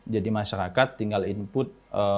jadi masyarakat tinggal input